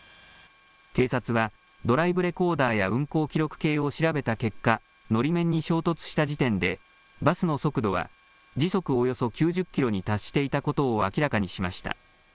警察はドライブレコーダーや運行記録計を調べた結果、のり面に衝突した時点でバスの速度は時速およそ９０キロに達していたことを明らかにしました。